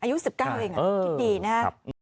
อายุ๑๙เลยเนี่ยดีนะ